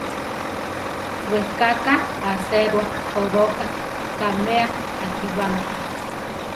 Weká ka aséroa, toróka kaʼmea akibáma.